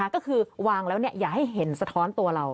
ก็คือวางแล้วอย่าให้เห็นสะท้อนตัวเรา